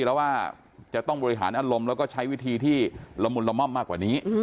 แล้วว่าจะต้องบริหารอารมณ์แล้วก็ใช้วิธีที่ละมุนละม่อมมากกว่านี้